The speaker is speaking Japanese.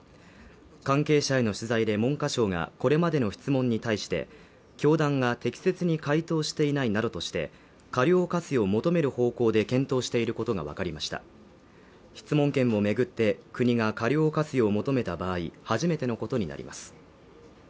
関係者への取材で文科省がこれまでの質問に対して教団が適切に回答していないなどとして過料を科すよう求める方向で検討していることが分かりました質問権を巡って国が過料を科すよう求めた場合初めてのことになります